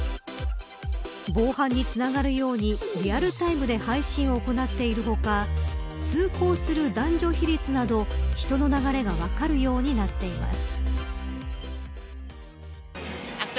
防犯につながるようにリアルタイムで配信を行っている他通行する男女比率など人の流れが分かるようになっています。